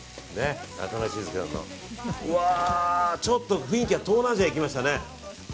ちょっと雰囲気が東南アジアいきましたね。